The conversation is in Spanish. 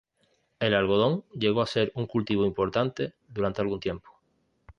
El algodón llegó a ser un cultivo importante durante algún tiempo.